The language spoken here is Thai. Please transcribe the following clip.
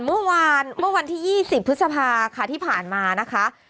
เมื่อวันที่๒๐พฤษภาคที่ผ่านมานะคะ